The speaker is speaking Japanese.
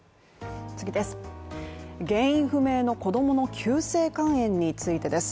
原因不明の子どもの急性肝炎についてです。